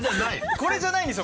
これじゃないんですよ。